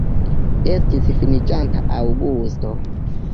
Estis finiĝanta aŭgusto.